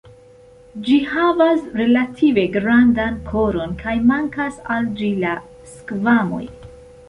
Ĝi havas relative grandan koron kaj mankas al ĝi la skvamoj.